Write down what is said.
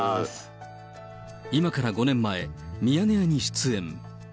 今から５年前、ミヤネ屋に出演。